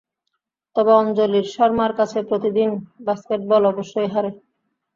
তবে অঞ্জলির শর্মার কাছে প্রতিদিন বাস্কেটবল অবশ্যই হারে।